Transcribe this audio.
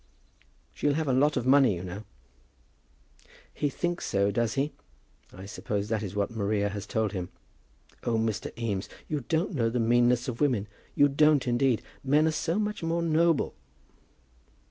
"She'll have a lot of money, you know." "He thinks so; does he? I suppose that is what Maria has told him. Oh, Mr. Eames, you don't know the meanness of women; you don't, indeed. Men are so much more noble."